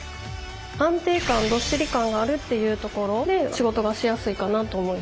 安定感どっしり感があるっていうところで仕事がしやすいかなと思います。